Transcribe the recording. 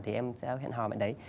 thì em sẽ hẹn hò bạn đấy